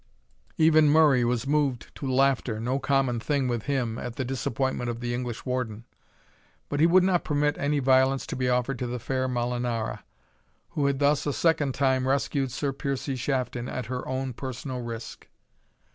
Even Murray was moved to laughter, no common thing with him, at the disappointment of the English Warden; but he would not permit any violence to be offered to the fair Molinara, who had thus a second time rescued Sir Piercie Shafton at her own personal risk.